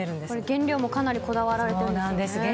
原料もかなりこだわられてるんですよね。